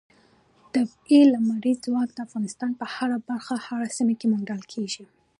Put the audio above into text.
طبیعي لمریز ځواک د افغانستان په هره برخه او هره سیمه کې موندل کېږي.